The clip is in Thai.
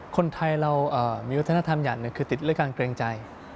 คนไทยเรามีอุทธนธรรมอย่างนึกคือติดแรงการเกรงใจ